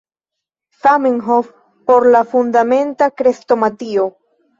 Zamenhof por la Fundamenta Krestomatio.